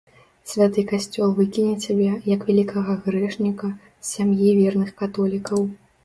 Святы касцёл выкіне цябе, як вялікага грэшніка, з сям'і верных католікаў!